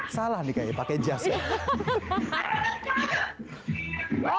salah nih kaya pake jazz kan